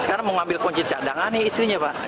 sekarang mau ambil kunci cadangan nih istrinya pak